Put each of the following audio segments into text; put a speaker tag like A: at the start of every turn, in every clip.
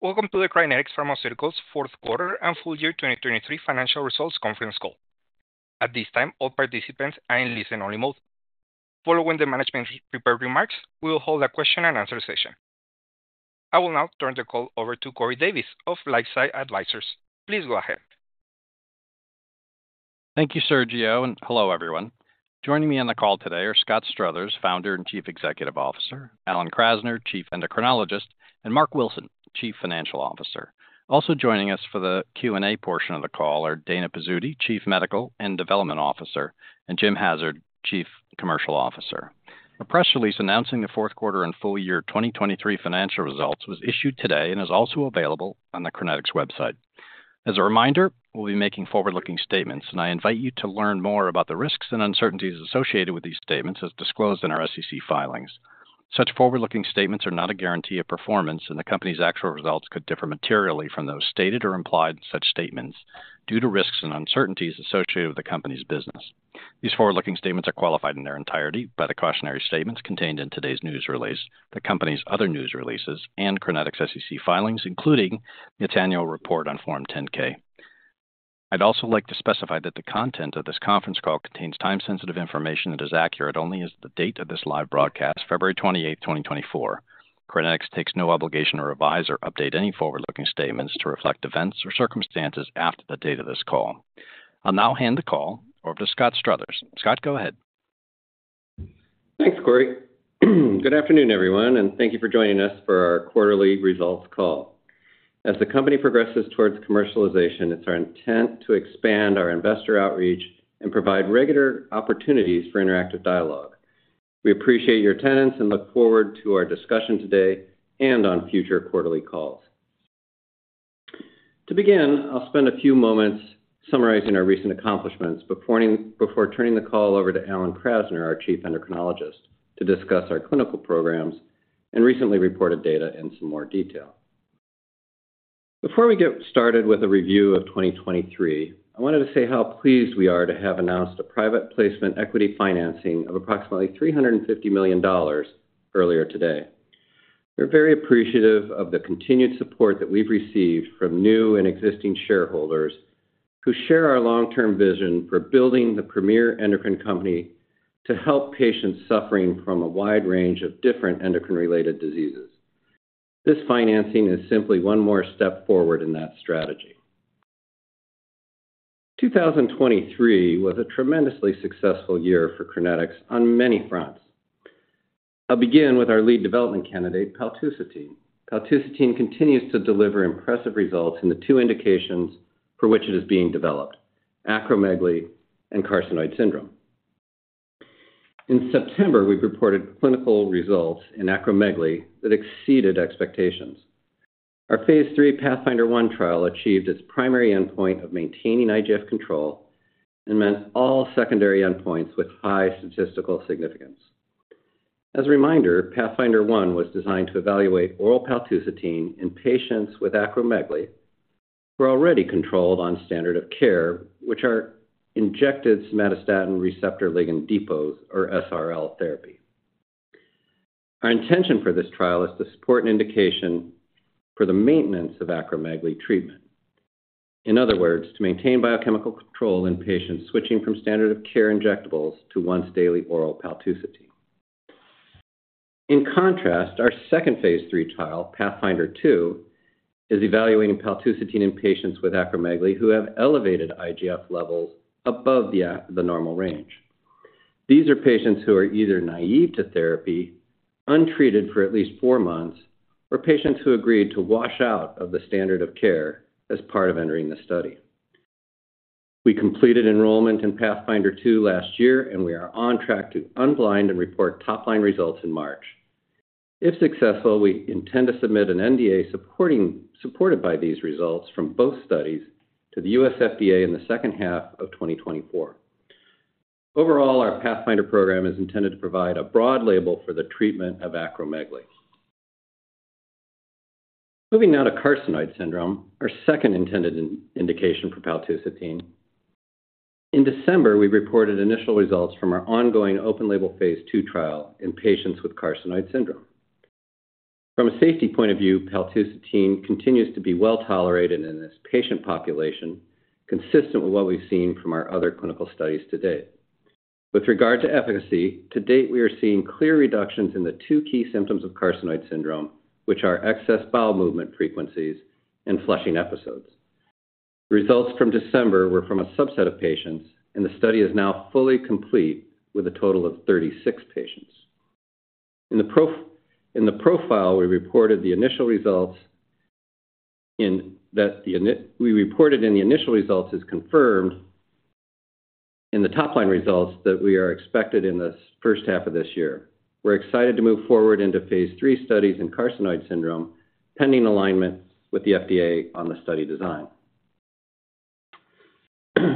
A: Welcome to the Crinetics Pharmaceuticals 4th Quarter and Full Year 2023 Financial Results Conference Call. At this time, all participants are in listen-only mode. Following the management's prepared remarks, we will hold a question-and-answer session. I will now turn the call over to Corey Davis of LifeSci Advisors. Please go ahead.
B: Thank you, Sergio, and hello everyone. Joining me on the call today are Scott Struthers, Founder and Chief Executive Officer; Alan Krasner, Chief Endocrinologist; and Marc Wilson, Chief Financial Officer. Also joining us for the Q&A portion of the call are Dana Pizzuti, Chief Medical and Development Officer; and Jim Hassard, Chief Commercial Officer. A press release announcing the 4th Quarter and Full Year 2023 Financial Results was issued today and is also available on the Crinetics website. As a reminder, we'll be making forward-looking statements, and I invite you to learn more about the risks and uncertainties associated with these statements as disclosed in our SEC filings. Such forward-looking statements are not a guarantee of performance, and the company's actual results could differ materially from those stated or implied in such statements due to risks and uncertainties associated with the company's business. These forward-looking statements are qualified in their entirety by the cautionary statements contained in today's news release, the company's other news releases, and Crinetics' SEC filings, including its annual report on Form 10-K. I'd also like to specify that the content of this conference call contains time-sensitive information that is accurate only as to the date of this live broadcast, February 28, 2024. Crinetics takes no obligation to revise or update any forward-looking statements to reflect events or circumstances after the date of this call. I'll now hand the call over to Scott Struthers. Scott, go ahead.
C: Thanks, Corey. Good afternoon, everyone, and thank you for joining us for our quarterly results call. As the company progresses towards commercialization, it's our intent to expand our investor outreach and provide regular opportunities for interactive dialogue. We appreciate your attendance and look forward to our discussion today and on future quarterly calls. To begin, I'll spend a few moments summarizing our recent accomplishments before turning the call over to Alan Krasner, our Chief Endocrinologist, to discuss our clinical programs and recently reported data in some more detail. Before we get started with a review of 2023, I wanted to say how pleased we are to have announced a private placement equity financing of approximately $350 million earlier today. We're very appreciative of the continued support that we've received from new and existing shareholders who share our long-term vision for building the premier endocrine company to help patients suffering from a wide range of different endocrine-related diseases. This financing is simply one more step forward in that strategy. 2023 was a tremendously successful year for Crinetics on many fronts. I'll begin with our lead development candidate, paltusotine. Paltusotine continues to deliver impressive results in the two indications for which it is being developed: acromegaly and carcinoid syndrome. In September, we reported clinical results in acromegaly that exceeded expectations. Our phase 3 PATHFNDR-1 trial achieved its primary endpoint of maintaining IGF-1 control and met all secondary endpoints with high statistical significance. As a reminder, PATHFNDR-1 was designed to evaluate oral paltusotine in patients with acromegaly who are already controlled on standard of care, which are injected somatostatin receptor ligand depots, or SRL, therapy. Our intention for this trial is to support an indication for the maintenance of acromegaly treatment. In other words, to maintain biochemical control in patients switching from standard of care injectables to once-daily oral paltusotine. In contrast, our second phase III trial, PATHFNDR-2, is evaluating paltusotine in patients with acromegaly who have elevated IGF levels above the normal range. These are patients who are either naive to therapy, untreated for at least four months, or patients who agreed to wash out of the standard of care as part of entering the study. We completed enrollment in PATHFNDR-2 last year, and we are on track to unblind and report top-line results in March. If successful, we intend to submit an NDA supported by these results from both studies to the U.S. FDA in the second half of 2024. Overall, our PATHFNDR program is intended to provide a broad label for the treatment of acromegaly. Moving now to carcinoid syndrome, our second intended indication for paltusotine. In December, we reported initial results from our ongoing open-label phase II trial in patients with carcinoid syndrome. From a safety point of view, paltusotine continues to be well-tolerated in this patient population, consistent with what we've seen from our other clinical studies to date. With regard to efficacy, to date we are seeing clear reductions in the two key symptoms of carcinoid syndrome, which are excess bowel movement frequencies and flushing episodes. Results from December were from a subset of patients, and the study is now fully complete with a total of 36 patients. In the profile, we reported the initial results, and the initial results we reported is confirmed in the top-line results that we expect in the first half of this year. We're excited to move forward into phase III studies in carcinoid syndrome, pending alignment with the FDA on the study design.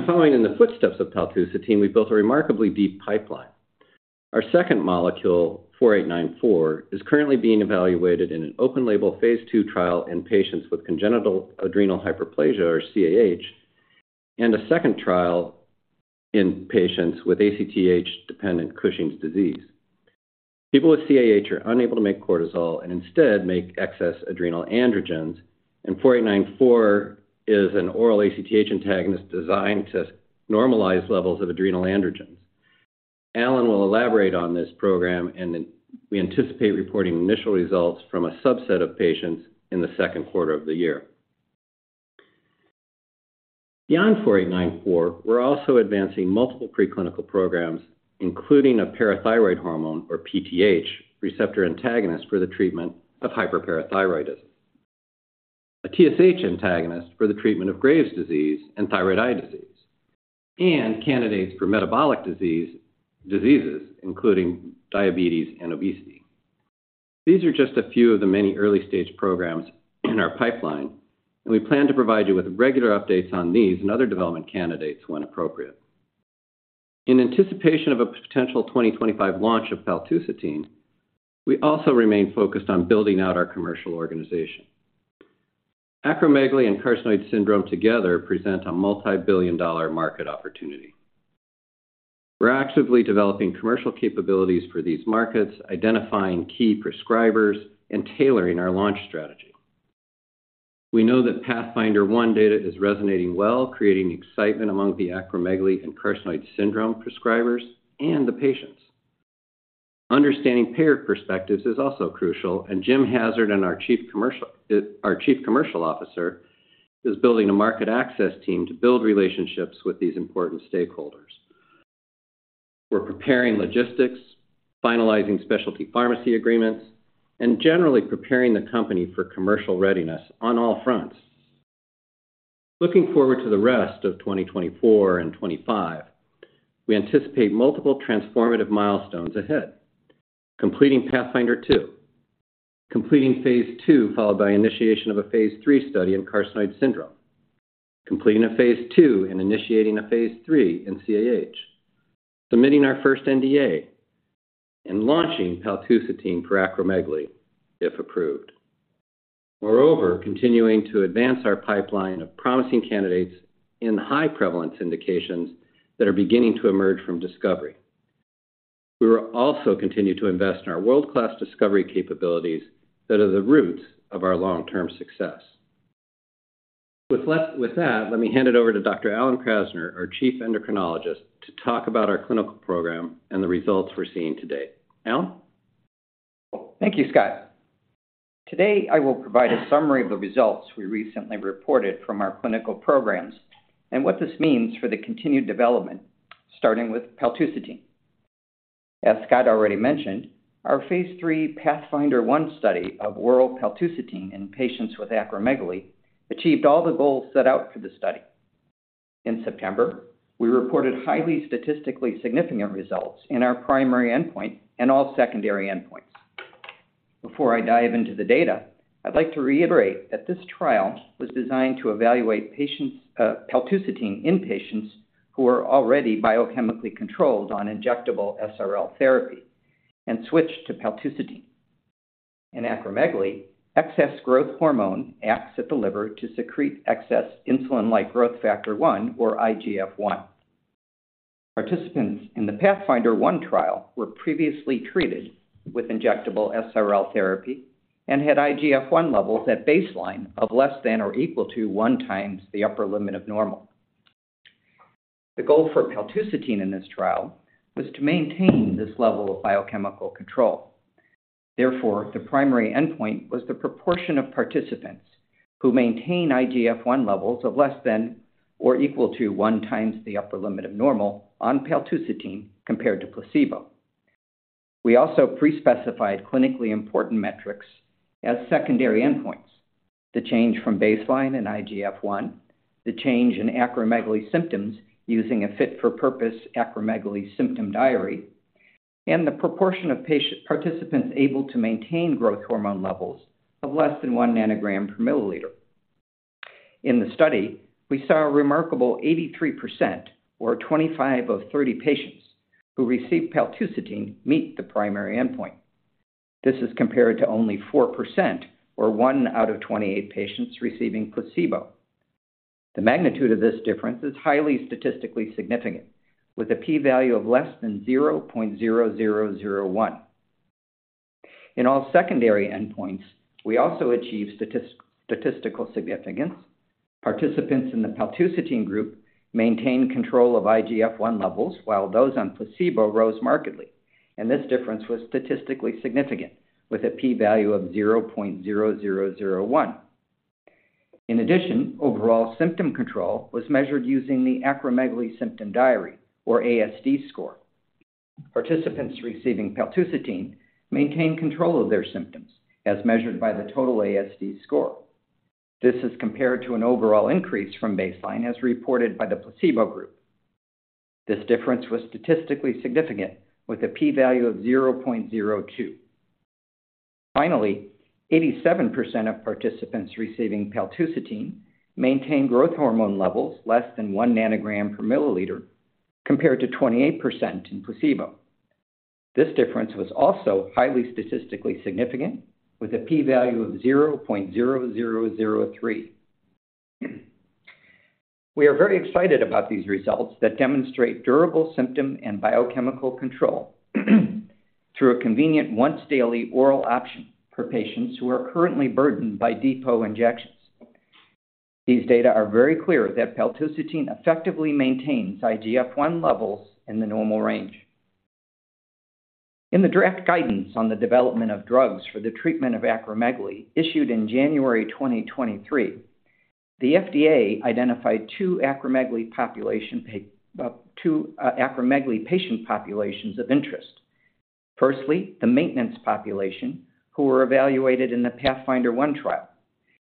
C: Following in the footsteps of paltusotine, we built a remarkably deep pipeline. Our second molecule, 4894, is currently being evaluated in an open-label phase II trial in patients with congenital adrenal hyperplasia, or CAH, and a second trial in patients with ACTH-dependent Cushing's disease. People with CAH are unable to make cortisol and instead make excess adrenal androgens, and 4894 is an oral ACTH antagonist designed to normalize levels of adrenal androgens. Alan will elaborate on this program, and we anticipate reporting initial results from a subset of patients in the second quarter of the year. Beyond 4894, we're also advancing multiple preclinical programs, including a parathyroid hormone, or PTH, receptor antagonist for the treatment of hyperparathyroidism, a TSH antagonist for the treatment of Graves' disease and thyroid eye disease, and candidates for metabolic diseases, including diabetes and obesity. These are just a few of the many early-stage programs in our pipeline, and we plan to provide you with regular updates on these and other development candidates when appropriate. In anticipation of a potential 2025 launch of paltusotine, we also remain focused on building out our commercial organization. Acromegaly and carcinoid syndrome together present a multi-billion dollar market opportunity. We're actively developing commercial capabilities for these markets, identifying key prescribers, and tailoring our launch strategy. We know that PATHFNDR-1 data is resonating well, creating excitement among the acromegaly and carcinoid syndrome prescribers and the patients. Understanding payer perspectives is also crucial, and Jim Hassard, our Chief Commercial Officer, is building a market access team to build relationships with these important stakeholders. We're preparing logistics, finalizing specialty pharmacy agreements, and generally preparing the company for commercial readiness on all fronts. Looking forward to the rest of 2024 and 2025, we anticipate multiple transformative milestones ahead: completing PATHFNDR-2, completing phase II followed by initiation of a phase III study in carcinoid syndrome, completing a phase II and initiating a phase III in CAH, submitting our first NDA, and launching paltusotine for acromegaly, if approved. Moreover, continuing to advance our pipeline of promising candidates in high-prevalence indications that are beginning to emerge from discovery. We will also continue to invest in our world-class discovery capabilities that are the roots of our long-term success. With that, let me hand it over to Dr. Alan Krasner, our Chief Endocrinologist, to talk about our clinical program and the results we're seeing to date. Alan?
D: Thank you, Scott. Today I will provide a summary of the results we recently reported from our clinical programs and what this means for the continued development, starting with paltusotine. As Scott already mentioned, our Phase 3 PATHFNDR-1 study of oral paltusotine in patients with acromegaly achieved all the goals set out for the study. In September, we reported highly statistically significant results in our primary endpoint and all secondary endpoints. Before I dive into the data, I'd like to reiterate that this trial was designed to evaluate paltusotine in patients who are already biochemically controlled on injectable SRL therapy and switch to paltusotine. In acromegaly, excess growth hormone acts at the liver to secrete excess insulin-like growth factor 1, or IGF-1. Participants in the PATHFNDR-1 trial were previously treated with injectable SRL therapy and had IGF-1 levels at baseline of less than or equal to one times the upper limit of normal. The goal for paltusotine in this trial was to maintain this level of biochemical control. Therefore, the primary endpoint was the proportion of participants who maintain IGF-1 levels of less than or equal to one times the upper limit of normal on paltusotine compared to placebo. We also pre-specified clinically important metrics as secondary endpoints: the change from baseline in IGF-1, the change in acromegaly symptoms using a fit-for-purpose acromegaly symptom diary, and the proportion of participants able to maintain growth hormone levels of less than one nanogram per milliliter. In the study, we saw a remarkable 83%, or 25 of 30 patients, who received paltusotine meet the primary endpoint. This is compared to only 4%, or 1 out of 28 patients receiving placebo. The magnitude of this difference is highly statistically significant, with a p-value of less than 0.0001. In all secondary endpoints, we also achieved statistical significance. Participants in the paltusotine group maintained control of IGF-1 levels, while those on placebo rose markedly, and this difference was statistically significant, with a p-value of 0.0001. In addition, overall symptom control was measured using the acromegaly symptom diary, or ASD score. Participants receiving paltusotine maintained control of their symptoms, as measured by the total ASD score. This is compared to an overall increase from baseline, as reported by the placebo group. This difference was statistically significant, with a p-value of 0.02. Finally, 87% of participants receiving paltusotine maintained growth hormone levels less than 1 nanogram per milliliter, compared to 28% in placebo. This difference was also highly statistically significant, with a p-value of 0.0003. We are very excited about these results that demonstrate durable symptom and biochemical control through a convenient once-daily oral option for patients who are currently burdened by depot injections. These data are very clear that paltusotine effectively maintains IGF-1 levels in the normal range. In the direct guidance on the development of drugs for the treatment of acromegaly issued in January 2023, the FDA identified two acromegaly patient populations of interest. Firstly, the maintenance population, who were evaluated in the PATHFNDR-1 trial,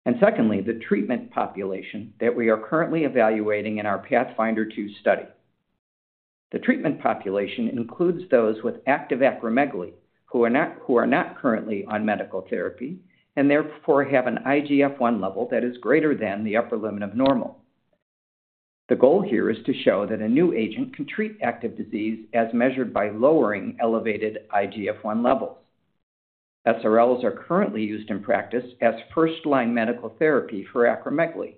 D: and secondly, the treatment population that we are currently evaluating in our PATHFNDR-2 study. The treatment population includes those with active acromegaly who are not currently on medical therapy and therefore have an IGF-1 level that is greater than the upper limit of normal. The goal here is to show that a new agent can treat active disease as measured by lowering elevated IGF-1 levels. SRLs are currently used in practice as first-line medical therapy for acromegaly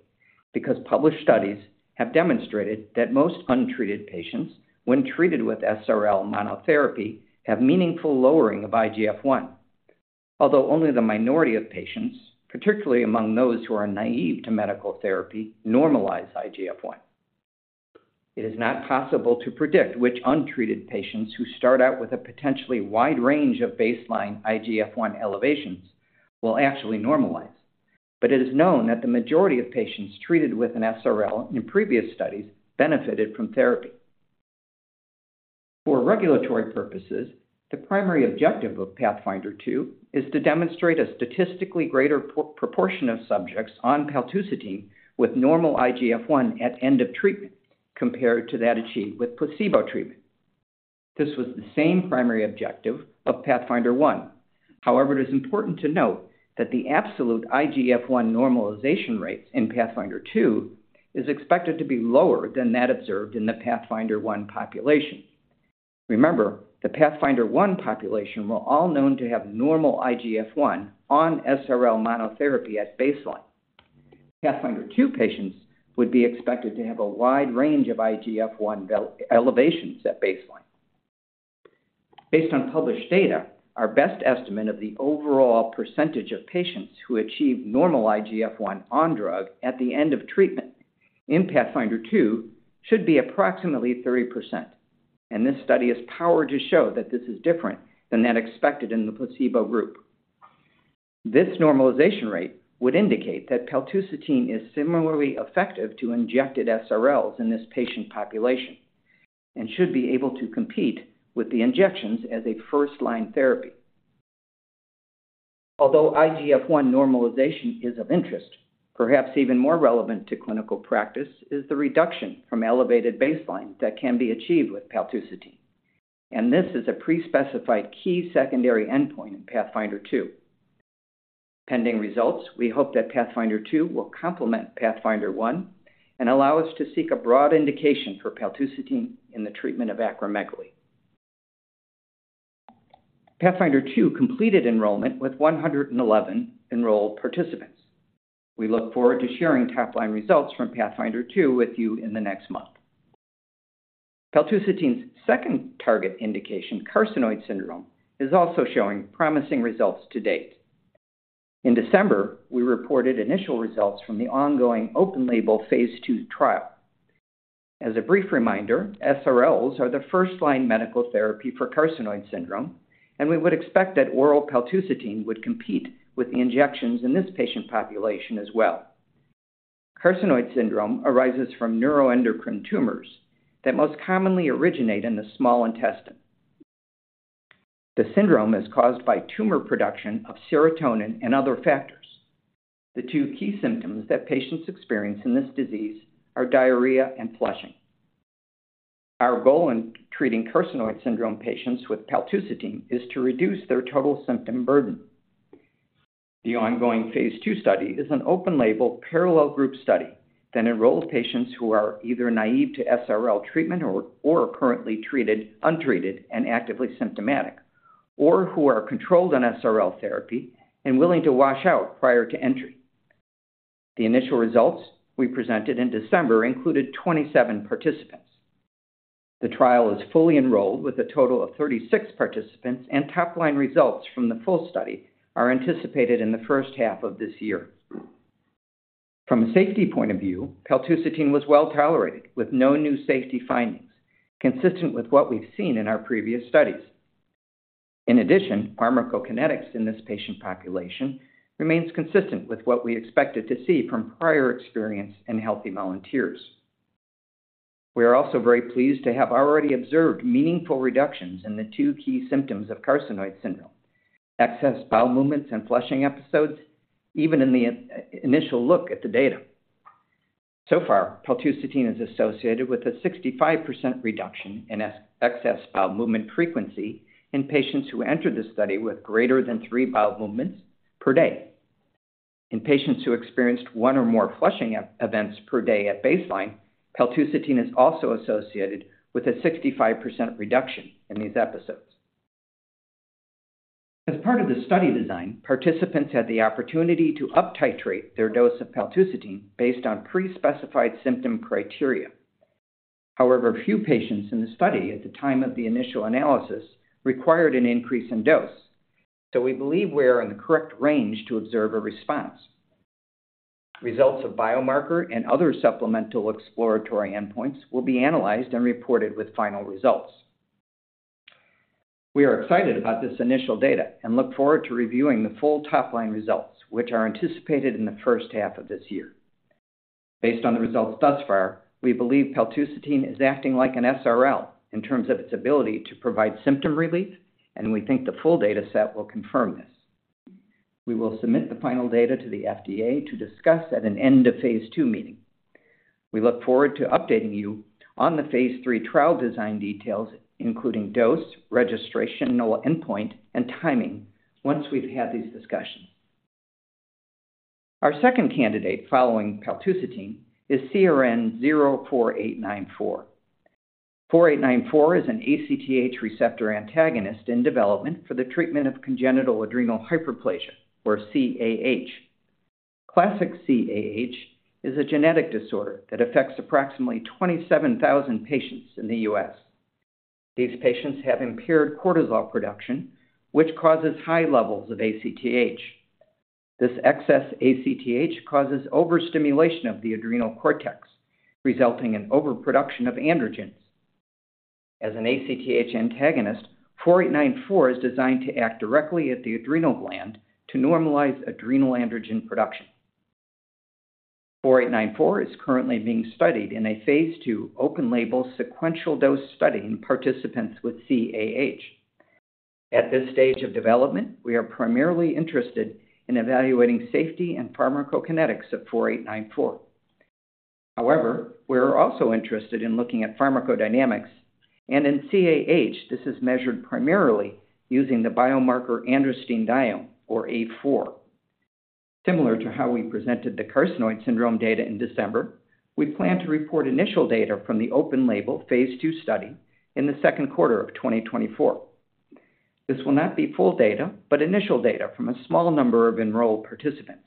D: because published studies have demonstrated that most untreated patients, when treated with SRL monotherapy, have meaningful lowering of IGF-1, although only the minority of patients, particularly among those who are naive to medical therapy, normalize IGF-1. It is not possible to predict which untreated patients who start out with a potentially wide range of baseline IGF-1 elevations will actually normalize, but it is known that the majority of patients treated with an SRL in previous studies benefited from therapy. For regulatory purposes, the primary objective of PATHFNDR-2 is to demonstrate a statistically greater proportion of subjects on paltusotine with normal IGF-1 at end of treatment compared to that achieved with placebo treatment. This was the same primary objective of PATHFNDR-1. However, it is important to note that the absolute IGF-1 normalization rates in PATHFNDR-2 are expected to be lower than that observed in the PATHFNDR-1 population. Remember, the PATHFNDR-1 population were all known to have normal IGF-1 on SRL monotherapy at baseline. PATHFNDR-2 patients would be expected to have a wide range of IGF-1 elevations at baseline. Based on published data, our best estimate of the overall percentage of patients who achieve normal IGF-1 on drug at the end of treatment in PATHFNDR-2 should be approximately 30%, and this study is powered to show that this is different than that expected in the placebo group. This normalization rate would indicate that paltusotine is similarly effective to injected SRLs in this patient population and should be able to compete with the injections as a first-line therapy. Although IGF-1 normalization is of interest, perhaps even more relevant to clinical practice is the reduction from elevated baseline that can be achieved with paltusotine, and this is a pre-specified key secondary endpoint in PATHFNDR-2. Pending results, we hope that PATHFNDR-2 will complement PATHFNDR-1 and allow us to seek a broad indication for paltusotine in the treatment of acromegaly. PATHFNDR-2 completed enrollment with 111 enrolled participants. We look forward to sharing top-line results from PATHFNDR-2 with you in the next month. Paltusotine's second target indication, carcinoid syndrome, is also showing promising results to date. In December, we reported initial results from the ongoing open-label phase II trial. As a brief reminder, SRLs are the first-line medical therapy for carcinoid syndrome, and we would expect that oral paltusotine would compete with the injections in this patient population as well. Carcinoid syndrome arises from neuroendocrine tumors that most commonly originate in the small intestine. The syndrome is caused by tumor production of serotonin and other factors. The two key symptoms that patients experience in this disease are diarrhea and flushing. Our goal in treating carcinoid syndrome patients with paltusotine is to reduce their total symptom burden. The ongoing phase II study is an open-label parallel group study that enrolled patients who are either naive to SRL treatment or currently treated, untreated, and actively symptomatic, or who are controlled on SRL therapy and willing to wash out prior to entry. The initial results we presented in December included 27 participants. The trial is fully enrolled with a total of 36 participants, and top-line results from the full study are anticipated in the first half of this year. From a safety point of view, paltusotine was well tolerated, with no new safety findings, consistent with what we've seen in our previous studies. In addition, pharmacokinetics in this patient population remains consistent with what we expected to see from prior experience and healthy volunteers. We are also very pleased to have already observed meaningful reductions in the two key symptoms of carcinoid syndrome: excess bowel movements and flushing episodes, even in the initial look at the data. So far, paltusotine is associated with a 65% reduction in excess bowel movement frequency in patients who entered the study with greater than 3 bowel movements per day. In patients who experienced 1 or more flushing events per day at baseline, paltusotine is also associated with a 65% reduction in these episodes. As part of the study design, participants had the opportunity to up-titrate their dose of paltusotine based on pre-specified symptom criteria. However, few patients in the study at the time of the initial analysis required an increase in dose, so we believe we are in the correct range to observe a response. Results of biomarker and other supplemental exploratory endpoints will be analyzed and reported with final results. We are excited about this initial data and look forward to reviewing the full top-line results, which are anticipated in the first half of this year. Based on the results thus far, we believe paltusotine is acting like an SRL in terms of its ability to provide symptom relief, and we think the full data set will confirm this. We will submit the final data to the FDA to discuss at an end-of-phase 2 meeting. We look forward to updating you on the phase III trial design details, including dose, registration, endpoint, and timing, once we've had these discussions. Our second candidate following paltusotine is CRN04894. 4894 is an ACTH receptor antagonist in development for the treatment of congenital adrenal hyperplasia, or CAH. Classic CAH is a genetic disorder that affects approximately 27,000 patients in the U.S. These patients have impaired cortisol production, which causes high levels of ACTH. This excess ACTH causes overstimulation of the adrenal cortex, resulting in overproduction of androgens. As an ACTH antagonist, 4894 is designed to act directly at the adrenal gland to normalize adrenal androgen production. 4894 is currently being studied in a phase II open-label sequential dose study in participants with CAH. At this stage of development, we are primarily interested in evaluating safety and pharmacokinetics of 4894. However, we are also interested in looking at pharmacodynamics, and in CAH, this is measured primarily using the biomarker androstenedione, or A4. Similar to how we presented the carcinoid syndrome data in December, we plan to report initial data from the open-label phase 2 study in the second quarter of 2024. This will not be full data, but initial data from a small number of enrolled participants.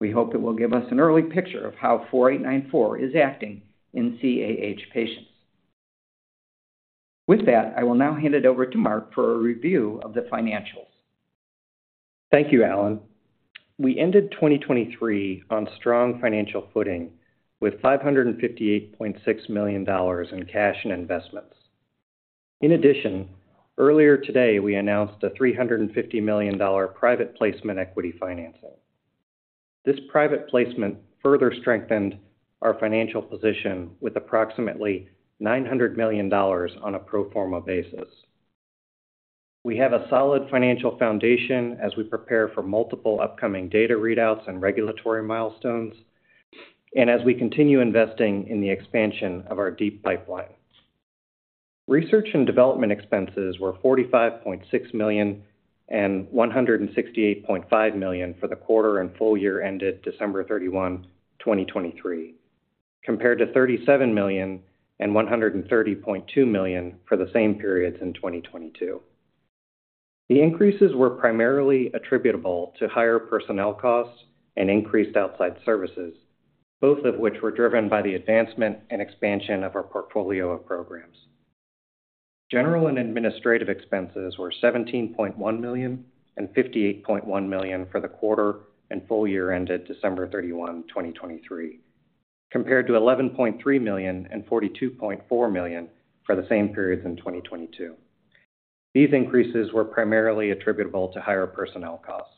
D: We hope it will give us an early picture of how 4894 is acting in CAH patients. With that, I will now hand it over to Marc for a review of the financials.
E: Thank you, Alan. We ended 2023 on strong financial footing with $558.6 million in cash and investments. In addition, earlier today, we announced a $350 million private placement equity financing. This private placement further strengthened our financial position with approximately $900 million on a pro forma basis. We have a solid financial foundation as we prepare for multiple upcoming data readouts and regulatory milestones, and as we continue investing in the expansion of our deep pipeline. Research and development expenses were $45.6 million and $168.5 million for the quarter and full year ended December 31, 2023, compared to $37 million and $130.2 million for the same periods in 2022. The increases were primarily attributable to higher personnel costs and increased outside services, both of which were driven by the advancement and expansion of our portfolio of programs. General and administrative expenses were $17.1 million and $58.1 million for the quarter and full year ended December 31, 2023, compared to $11.3 million and $42.4 million for the same periods in 2022. These increases were primarily attributable to higher personnel costs.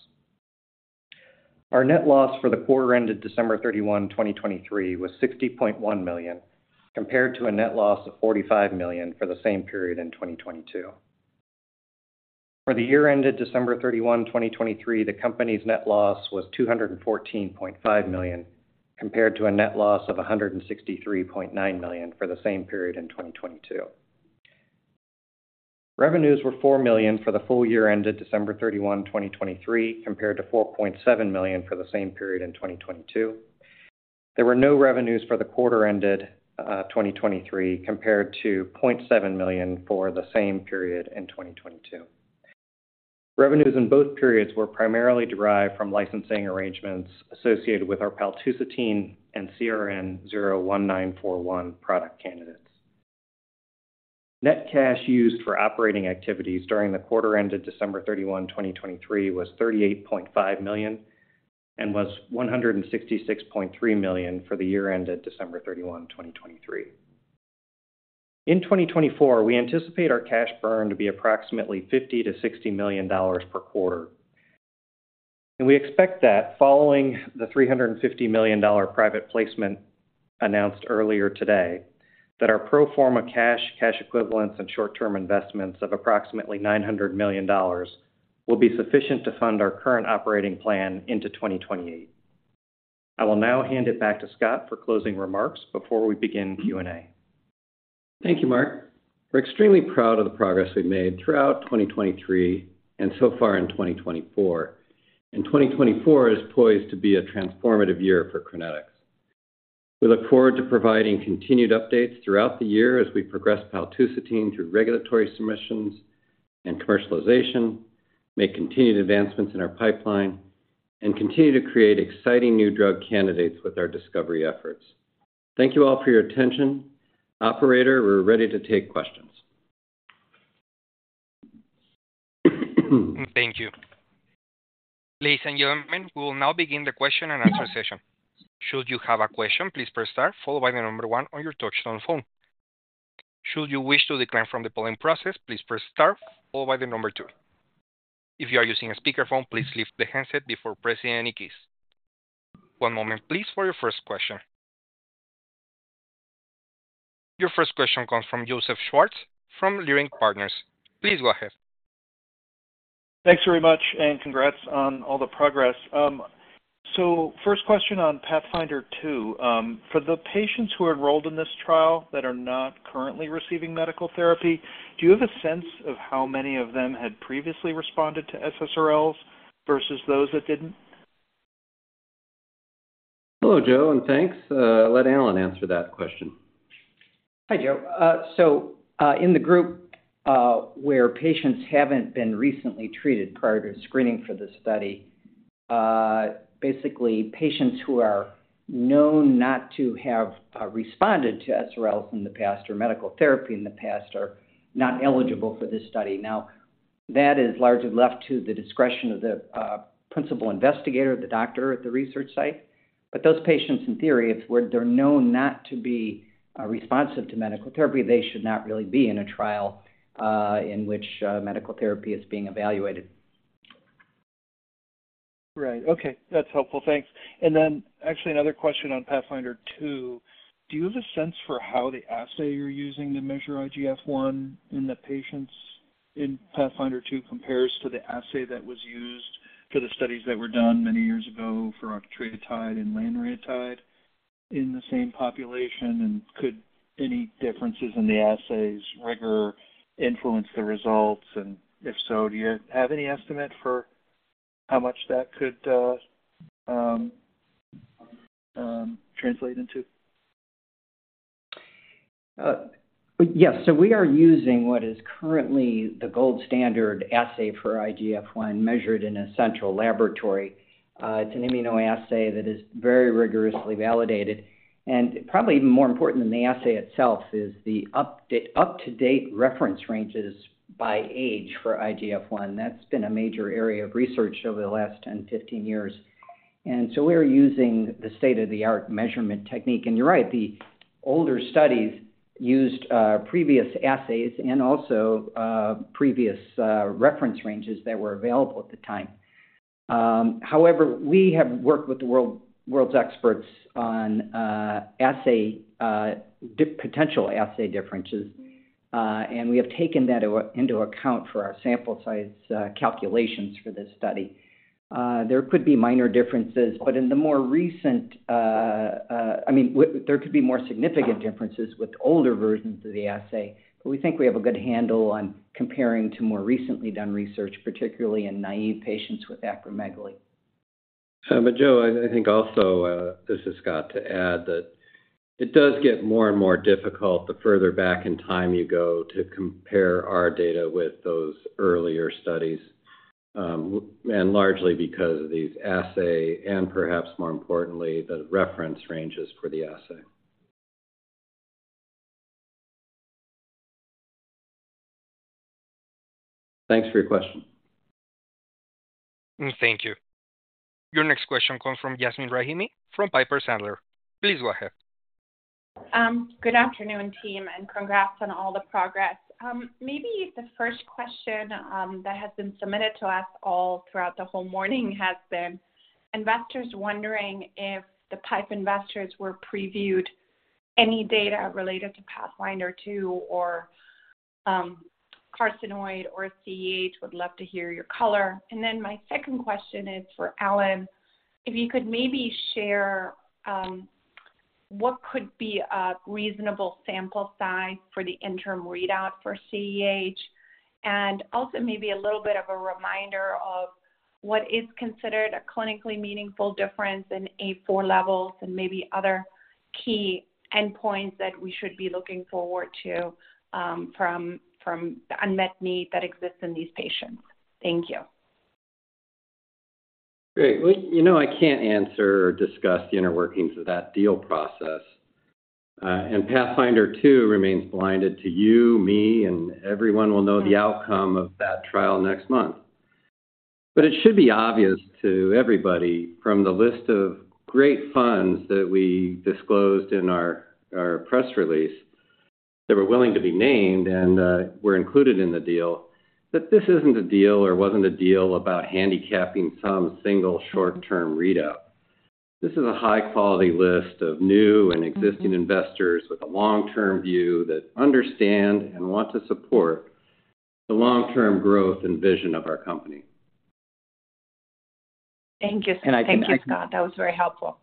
E: Our net loss for the quarter ended December 31, 2023, was $60.1 million, compared to a net loss of $45 million for the same period in 2022. For the year ended December 31, 2023, the company's net loss was $214.5 million, compared to a net loss of $163.9 million for the same period in 2022. Revenues were $4 million for the full year ended December 31, 2023, compared to $4.7 million for the same period in 2022. There were no revenues for the quarter ended December 31, 2023, compared to $0.7 million for the same period in 2022. Revenues in both periods were primarily derived from licensing arrangements associated with our paltusotine and CRN01941 product candidates. Net cash used for operating activities during the quarter ended December 31, 2023, was $38.5 million and was $166.3 million for the year ended December 31, 2023. In 2024, we anticipate our cash burn to be approximately $50-$60 million per quarter, and we expect that, following the $350 million private placement announced earlier today, our pro forma cash, cash equivalents, and short-term investments of approximately $900 million will be sufficient to fund our current operating plan into 2028. I will now hand it back to Scott for closing remarks before we begin Q&A.
C: Thank you, Marc. We're extremely proud of the progress we've made throughout 2023 and so far in 2024, and 2024 is poised to be a transformative year for Crinetics. We look forward to providing continued updates throughout the year as we progress paltusotine through regulatory submissions and commercialization, make continued advancements in our pipeline, and continue to create exciting new drug candidates with our discovery efforts. Thank you all for your attention. Operator, we're ready to take questions. Thank you.
A: Ladies and gentlemen, we will now begin the question and answer session. Should you have a question, please press Star, followed by the number 1 on your touchscreen on the phone. Should you wish to decline from the polling process, please press Star, followed by the number 2. If you are using a speakerphone, please lift the handset before pressing any keys. One moment, please, for your first question. Your first question comes from Joseph Schwartz from Leerink Partners. Please go ahead.
F: Thanks very much and congrats on all the progress. So first question on PATHFNDR-2. For the patients who are enrolled in this trial that are not currently receiving medical therapy, do you have a sense of how many of them had previously responded to SRLs versus those that didn't?
C: Hello, Joe, and thanks. Let Alan answer that question.
D: Hi, Joe. So in the group where patients haven't been recently treated prior to screening for this study, basically, patients who are known not to have responded to SRLs in the past or medical therapy in the past are not eligible for this study. Now, that is largely left to the discretion of the principal investigator, the doctor at the research site. But those patients, in theory, if they're known not to be responsive to medical therapy, they should not really be in a trial in which medical therapy is being evaluated.
F: Right. Okay. That's helpful. Thanks. And then actually, another question on PATHFNDR-2. Do you have a sense for how the assay you're using to measure IGF-1 in the patients in PATHFNDR-2 compares to the assay that was used for the studies that were done many years ago for octreotide and lanreotide in the same population? Could any differences in the assay's rigor influence the results? If so, do you have any estimate for how much that could translate into?
D: Yes. So we are using what is currently the gold standard assay for IGF-1 measured in a central laboratory. It's an immunoassay that is very rigorously validated. Probably even more important than the assay itself is the up-to-date reference ranges by age for IGF-1. That's been a major area of research over the last 10, 15 years. So we are using the state-of-the-art measurement technique. You're right, the older studies used previous assays and also previous reference ranges that were available at the time. However, we have worked with the world's experts on potential assay differences, and we have taken that into account for our sample size calculations for this study. There could be minor differences, but in the more recent, I mean, there could be more significant differences with older versions of the assay, but we think we have a good handle on comparing to more recently done research, particularly in naive patients with acromegaly.
C: But Joe, I think also this is Scott to add that it does get more and more difficult the further back in time you go to compare our data with those earlier studies, and largely because of these assay and perhaps more importantly, the reference ranges for the assay. Thanks for your question.
A: Thank you. Your next question comes from Yasmin Rahimi from Piper Sandler. Please go ahead.
G: Good afternoon, team, and congrats on all the progress. Maybe the first question that has been submitted to us all throughout the whole morning has been investors wondering if the PIPE investors were previewed any data related to PATHFNDR-2 or carcinoid or CAH. We'd love to hear your color. And then my second question is for Alan, if you could maybe share what could be a reasonable sample size for the interim readout for CAH, and also maybe a little bit of a reminder of what is considered a clinically meaningful difference in A4 levels and maybe other key endpoints that we should be looking forward to from the unmet need that exists in these patients. Thank you.
C: Great. I can't answer or discuss the inner workings of that deal process, and PATHFNDR-2 remains blinded to you, me, and everyone will know the outcome of that trial next month. But it should be obvious to everybody from the list of great funds that we disclosed in our press release that were willing to be named and were included in the deal that this isn't a deal or wasn't a deal about handicapping some single short-term readout. This is a high-quality list of new and existing investors with a long-term view that understand and want to support the long-term growth and vision of our company.
G: Thank you, Scott.
D: And I
G: thank you, Scott. That was very helpful.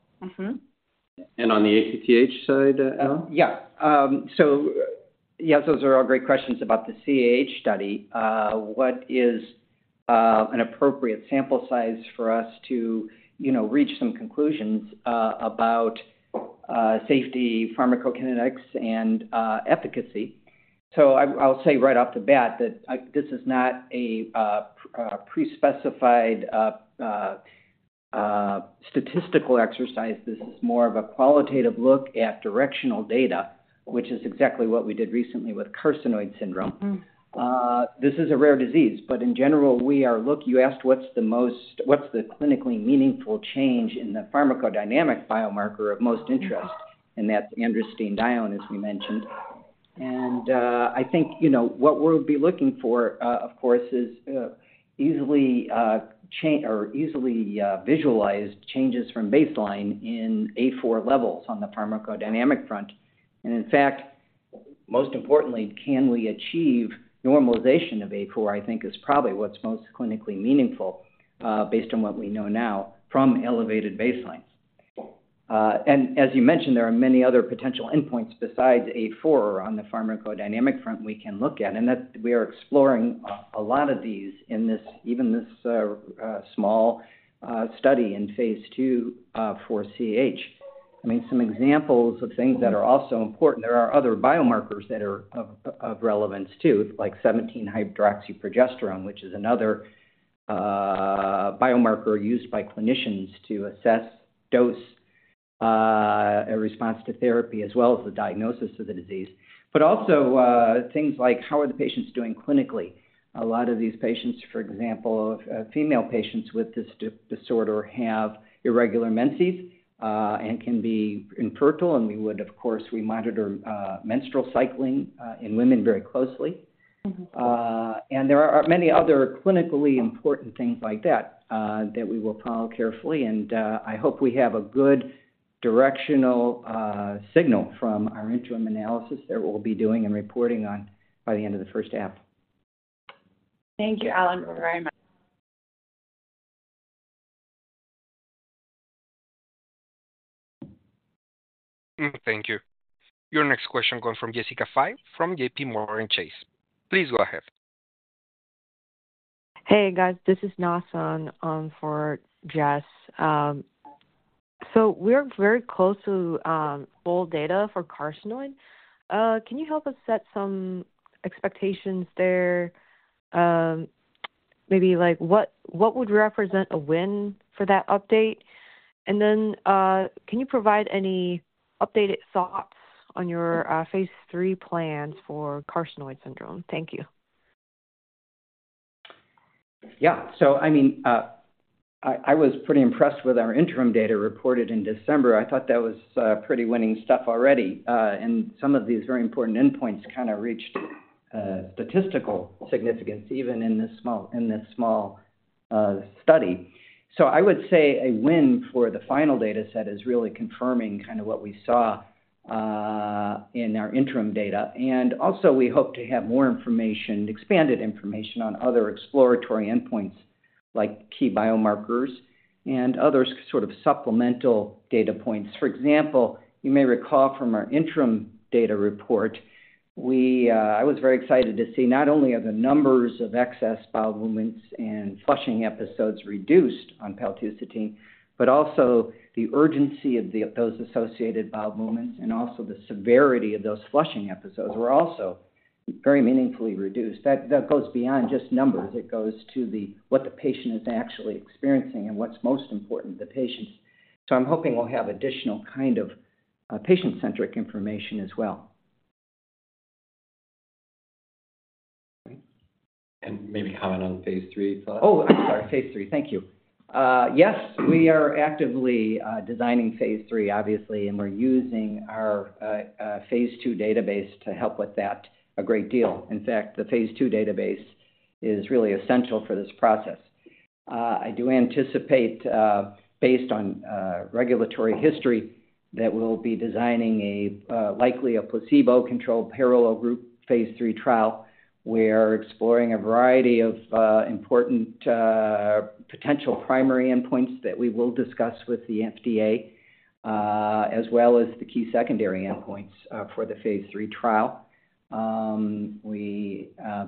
C: And on the ACTH side, Alan?
D: Yeah. So yes, those are all great questions about the CAH study. What is an appropriate sample size for us to reach some conclusions about safety, pharmacokinetics, and efficacy? So I'll say right off the bat that this is not a prespecified statistical exercise. This is more of a qualitative look at directional data, which is exactly what we did recently with carcinoid syndrome. This is a rare disease, but in general, we are looking, you asked what's the most clinically meaningful change in the pharmacodynamic biomarker of most interest, and that's androstenedione, as we mentioned. And I think what we'll be looking for, of course, is easily visualized changes from baseline in A4 levels on the pharmacodynamic front. And in fact, most importantly, can we achieve normalization of A4? I think is probably what's most clinically meaningful based on what we know now from elevated baselines. And as you mentioned, there are many other potential endpoints besides A4 on the pharmacodynamic front we can look at, and we are exploring a lot of these in even this small study in phase 2 for CAH. I mean, some examples of things that are also important there are other biomarkers that are of relevance too, like 17-hydroxyprogesterone, which is another biomarker used by clinicians to assess dose response to therapy as well as the diagnosis of the disease, but also things like how are the patients doing clinically. A lot of these patients, for example, female patients with this disorder have irregular menses and can be infertile, and we would, of course, monitor menstrual cycling in women very closely. And there are many other clinically important things like that that we will follow carefully. I hope we have a good directional signal from our interim analysis that we'll be doing and reporting on by the end of the first half.
G: Thank you, Alan, very much.
A: Thank you. Your next question comes from Jessica Fye from J.P. Morgan Chase. Please go ahead.
H: Hey, guys. This is Na Sun for Jess. So we are very close to full data for carcinoid. Can you help us set some expectations there? Maybe what would represent a win for that update? And then can you provide any updated thoughts on your phase 3 plans for carcinoid syndrome? Thank you.
D: Yeah. So I mean, I was pretty impressed with our interim data reported in December. I thought that was pretty winning stuff already, and some of these very important endpoints kind of reached statistical significance even in this small study. So I would say a win for the final dataset is really confirming kind of what we saw in our interim data. And also, we hope to have more information, expanded information on other exploratory endpoints like key biomarkers and other sort of supplemental data points. For example, you may recall from our interim data report, I was very excited to see not only are the numbers of excess bowel movements and flushing episodes reduced on paltusotine, but also the urgency of those associated bowel movements and also the severity of those flushing episodes were also very meaningfully reduced. That goes beyond just numbers. It goes to what the patient is actually experiencing and what's most important, the patient's. So I'm hoping we'll have additional kind of patient-centric information as well.
C: And maybe comment on phase three thoughts.
D: Oh, I'm sorry. Phase three. Thank you. Yes, we are actively designing phase three, obviously, and we're using our phase two database to help with that a great deal. In fact, the phase two database is really essential for this process. I do anticipate, based on regulatory history, that we'll be designing likely a placebo-controlled parallel group phase 3 trial. We are exploring a variety of important potential primary endpoints that we will discuss with the FDA as well as the key secondary endpoints for the phase 3 trial.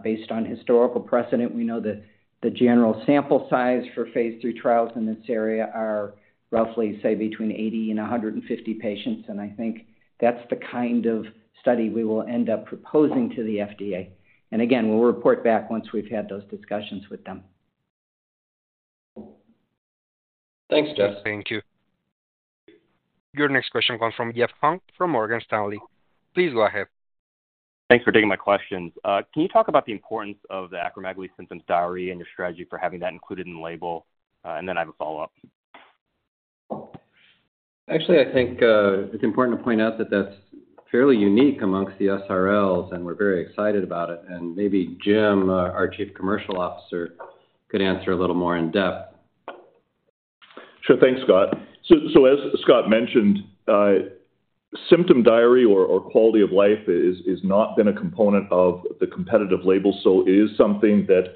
D: Based on historical precedent, we know the general sample size for phase 3 trials in this area are roughly, say, between 80-150 patients, and I think that's the kind of study we will end up proposing to the FDA. And again, we'll report back once we've had those discussions with them.
C: Thanks, Jess.
A: Thank you. Your next question comes from Jeff Hung from Morgan Stanley. Please go ahead.
I: Thanks for taking my questions. Can you talk about the importance of the acromegaly symptoms diary and your strategy for having that included in the label? And then I have a follow-up.
C: Actually, I think it's important to point out that that's fairly unique amongst the SRLs, and we're very excited about it. And maybe Jim, our Chief Commercial Officer, could answer a little more in-depth.
J: Sure. Thanks, Scott. So as Scott mentioned, symptom diary or quality of life has not been a component of the competitive label, so it is something that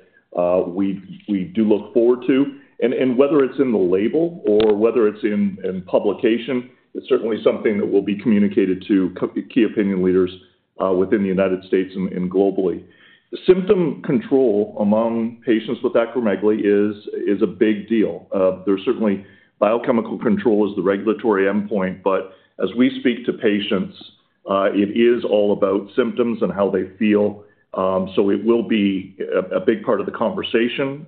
J: we do look forward to. And whether it's in the label or whether it's in publication, it's certainly something that will be communicated to key opinion leaders within the United States and globally. Symptom control among patients with acromegaly is a big deal. There's certainly biochemical control as the regulatory endpoint, but as we speak to patients, it is all about symptoms and how they feel. So it will be a big part of the conversation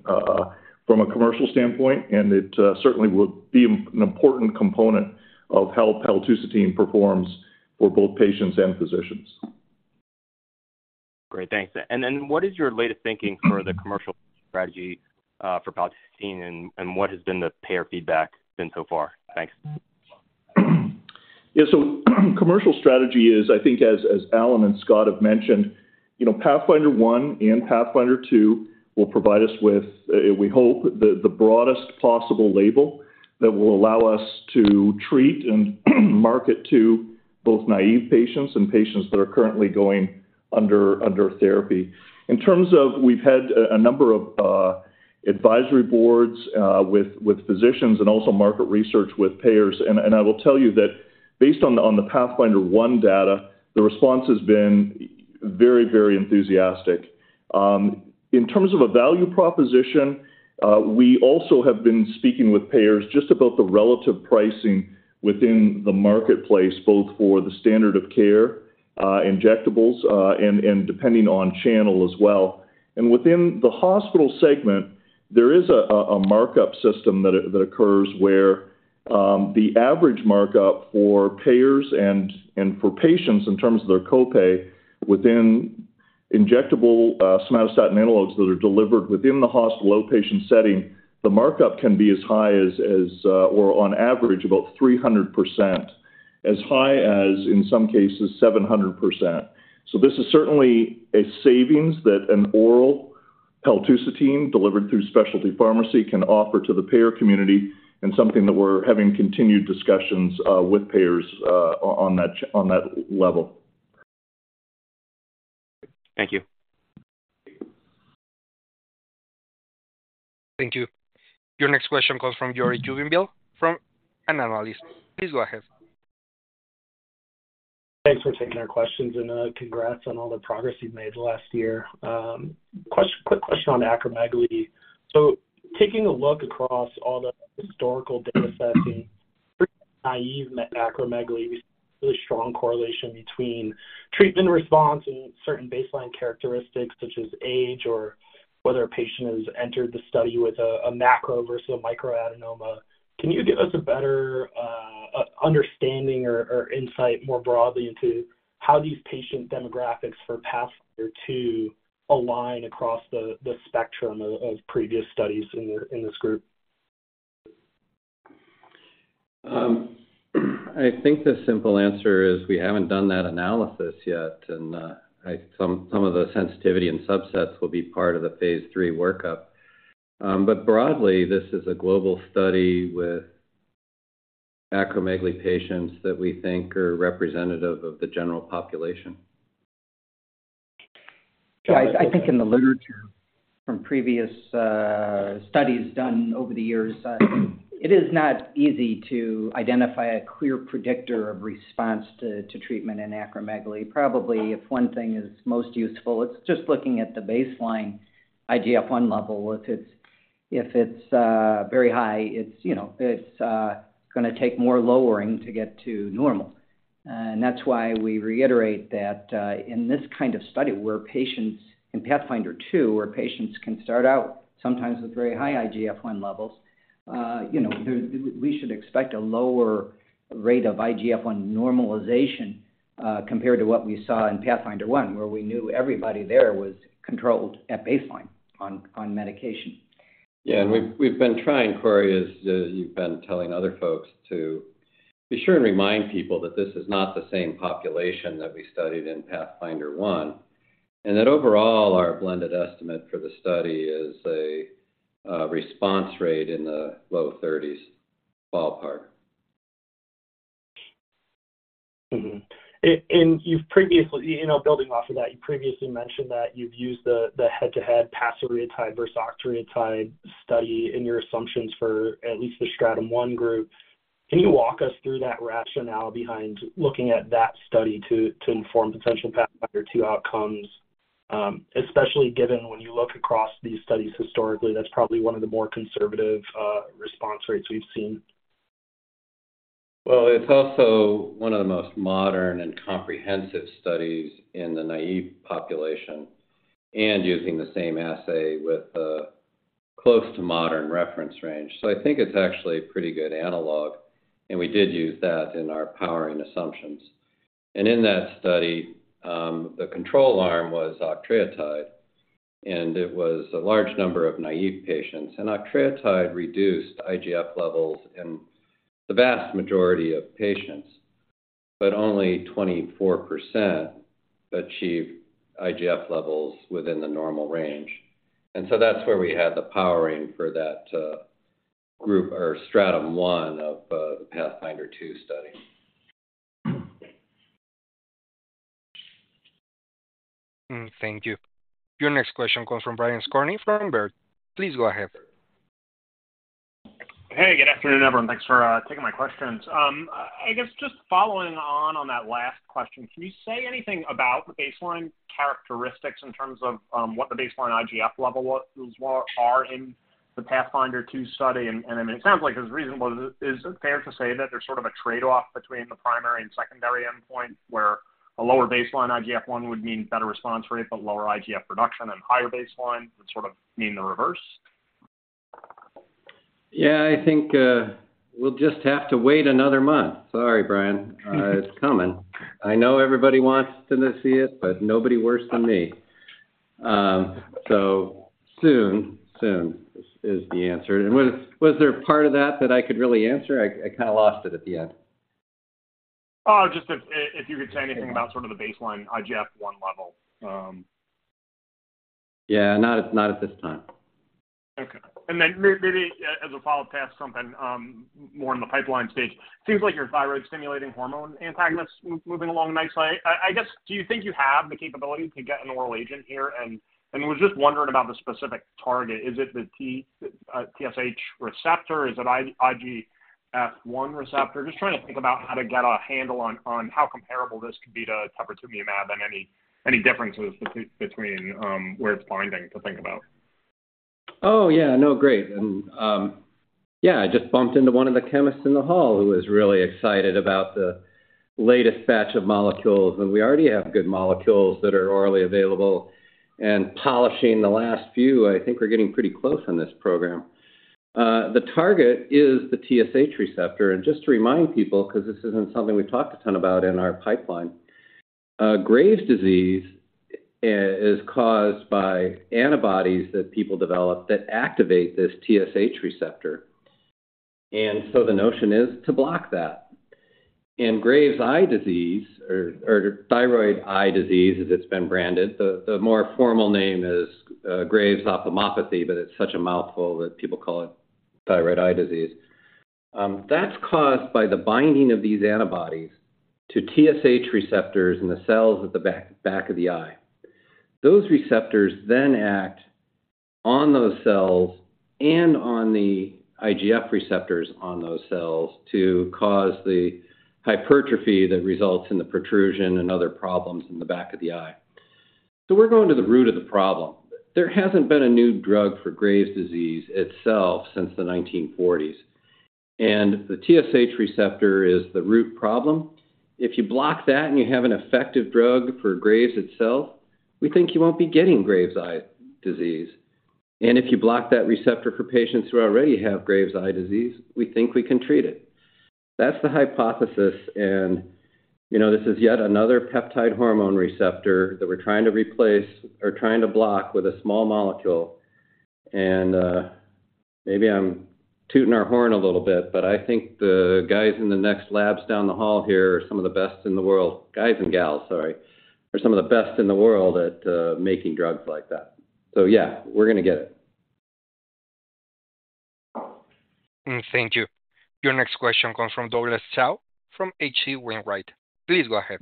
J: from a commercial standpoint, and it certainly will be an important component of how paltusotine performs for both patients and physicians.
I: Great. Thanks. And then what is your latest thinking for the commercial strategy for paltusotine, and what has been the payer feedback been so far? Thanks.
J: Yeah. So commercial strategy is, I think, as Alan and Scott have mentioned, PATHFNDR-1 and PATHFNDR-2 will provide us with, we hope, the broadest possible label that will allow us to treat and market to both naive patients and patients that are currently going under therapy. In terms of we've had a number of advisory boards with physicians and also market research with payers. And I will tell you that based on the PATHFNDR-1 data, the response has been very, very enthusiastic. In terms of a value proposition, we also have been speaking with payers just about the relative pricing within the marketplace, both for the standard of care, injectables, and depending on channel as well. Within the hospital segment, there is a markup system that occurs where the average markup for payers and for patients in terms of their copay within injectable somatostatin analogs that are delivered within the hospital outpatient setting, the markup can be as high as or on average about 300%, as high as, in some cases, 700%. This is certainly a savings that an oral paltusotine delivered through specialty pharmacy can offer to the payer community and something that we're having continued discussions with payers on that level.
I: Thank you.
A: Thank you. Your next question comes from Cory Jubinville from LifeSci. Please go ahead.
K: Thanks for taking our questions and congrats on all the progress you've made last year. Quick question on acromegaly. So taking a look across all the historical datasets and naive acromegaly, we see a really strong correlation between treatment response and certain baseline characteristics such as age or whether a patient has entered the study with a macro versus a microadenoma. Can you give us a better understanding or insight more broadly into how these patient demographics for PATHFNDR-2 align across the spectrum of previous studies in this group?
C: I think the simple answer is we haven't done that analysis yet, and some of the sensitivity and subsets will be part of the phase three workup. But broadly, this is a global study with acromegaly patients that we think are representative of the general population.
D: I think in the literature from previous studies done over the years, it is not easy to identify a clear predictor of response to treatment in acromegaly. Probably if one thing is most useful, it's just looking at the baseline IGF-1 level. If it's very high, it's going to take more lowering to get to normal. That's why we reiterate that in this kind of study where patients in PATHFNDR-2, where patients can start out sometimes with very high IGF-1 levels, we should expect a lower rate of IGF-1 normalization compared to what we saw in PATHFNDR-2, where we knew everybody there was controlled at baseline on medication.
C: Yeah. And we've been trying, Corey, as you've been telling other folks, to be sure and remind people that this is not the same population that we studied in PATHFNDR-1 and that overall, our blended estimate for the study is a response rate in the low 30s ballpark.
K: And building off of that, you previously mentioned that you've used the head-to-head pasireotide versus octreotide study in your assumptions for at least the Stratum I group. Can you walk us through that rationale behind looking at that study to inform potential PATHFNDR-2 outcomes, especially given when you look across these studies historically, that's probably one of the more conservative response rates we've seen?
C: Well, it's also one of the most modern and comprehensive studies in the naïve population and using the same assay with a close-to-modern reference range. So I think it's actually a pretty good analog, and we did use that in our powering assumptions. In that study, the control arm was octreotide, and it was a large number of naive patients. Octreotide reduced IGF levels in the vast majority of patients, but only 24% achieved IGF levels within the normal range. So that's where we had the powering for that group or Stratum I of the PATHFNDR-2 study.
A: Thank you. Your next question comes from Brian Skorney from Baird. Please go ahead.
L: Hey, good afternoon, everyone. Thanks for taking my questions. I guess just following on that last question, can you say anything about the baseline characteristics in terms of what the baseline IGF levels are in the PATHFNDR-2 study? And I mean, it sounds like it's reasonable. Is it fair to say that there's sort of a trade-off between the primary and secondary endpoint where a lower baseline IGF-1 would mean better response rate but lower IGF production and higher baseline would sort of mean the reverse?
C: Yeah. I think we'll just have to wait another month. Sorry, Brian. It's coming. I know everybody wants to see it, but nobody worse than me. So soon, soon is the answer. And was there part of that that I could really answer? I kind of lost it at the end.
L: Oh, just if you could say anything about sort of the baseline IGF-1 level.
C: Yeah. Not at this time.
L: Okay. And then maybe as a follow-up to ask something more in the pipeline stage, it seems like you're thyroid-stimulating hormone antagonists moving along nicely. I guess, do you think you have the capability to get an oral agent here? I was just wondering about the specific target. Is it the TSH receptor? Is it IGF-1 receptor? Just trying to think about how to get a handle on how comparable this could be to teprotumumab and any differences between where it's binding to think about.
C: Oh, yeah. No, great. Yeah, I just bumped into one of the chemists in the hall who was really excited about the latest batch of molecules. We already have good molecules that are orally available. Polishing the last few, I think we're getting pretty close on this program. The target is the TSH receptor. Just to remind people, because this isn't something we've talked a ton about in our pipeline, Graves' disease is caused by antibodies that people develop that activate this TSH receptor. So the notion is to block that. Graves' eye disease or thyroid eye disease as it's been branded, the more formal name is Graves' ophthalmopathy, but it's such a mouthful that people call it thyroid eye disease. That's caused by the binding of these antibodies to TSH receptors in the cells at the back of the eye. Those receptors then act on those cells and on the IGF receptors on those cells to cause the hypertrophy that results in the protrusion and other problems in the back of the eye. So we're going to the root of the problem. There hasn't been a new drug for Graves' disease itself since the 1940s, and the TSH receptor is the root problem. If you block that and you have an effective drug for Graves' itself, we think you won't be getting Graves' eye disease. And if you block that receptor for patients who already have Graves' eye disease, we think we can treat it. That's the hypothesis. And this is yet another peptide hormone receptor that we're trying to replace or trying to block with a small molecule. And maybe I'm tooting our horn a little bit, but I think the guys in the next labs down the hall here are some of the best in the world guys and gals, sorry, are some of the best in the world at making drugs like that. So yeah, we're going to get it.
A: Thank you. Your next question comes from Douglas Tsao from H.C. Wainwright. Please go ahead.